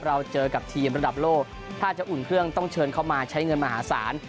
เราเจอกับทีมระดับโลกถ้าจะอุ่นเครื่องต้องเชิญเข้ามาใช้เงินมหาศาล